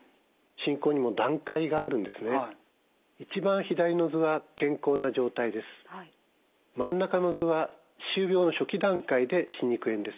真ん中の図は歯周病の初期段階で歯肉炎です。